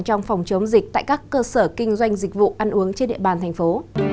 trong phòng chống dịch tại các cơ sở kinh doanh dịch vụ ăn uống trên địa bàn thành phố